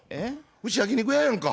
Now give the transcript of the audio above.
うち焼き肉屋やんか。